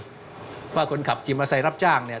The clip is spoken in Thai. เพราะว่าคนขับจีมอเตอร์ไซค์รับจ้างเนี่ย